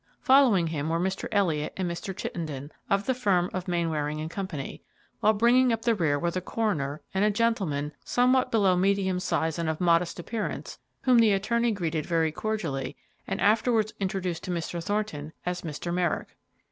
Following him were Mr. Elliott and Mr. Chittenden, of the firm of Mainwaring & Co., while bringing up the rear were the coroner and a gentleman, somewhat below medium size and of modest appearance, whom the attorney greeted very cordially and afterwards introduced to Mr. Thornton as Mr. Merrick.